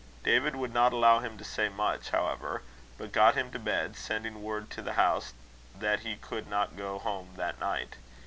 David would not allow him to say much, however, but got him to bed, sending word to the house that he could not go home that night.